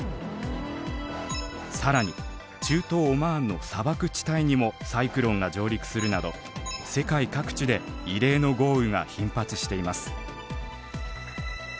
更に中東オマーンの砂漠地帯にもサイクロンが上陸するなど世界各地で異例の豪雨が頻発しています。